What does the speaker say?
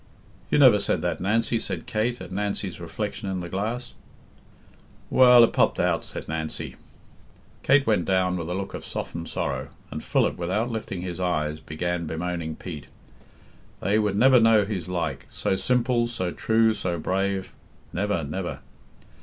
"You never said that, Nancy," said Kate, at Nancy's reflection in the glass. "Well, it popped out," said Nancy. Kate went down, with a look of softened sorrow, and Philip, without lifting his eyes, began bemoaning Pete. They would never know his like so simple, so true, so brave; never, never.